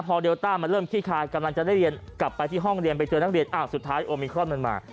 พอเดลต้ามันเริ่มขี้คายกำลังจะได้เรียนกลับไปที่ห้องเรียนไปเจอนักเรียนอ้าวสุดท้ายโอมิครอนมันมา